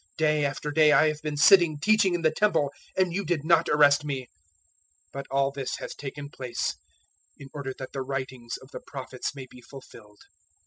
Day after day I have been sitting teaching in the Temple, and you did not arrest me. 026:056 But all this has taken place in order that the writings of the Prophets may be fulfilled."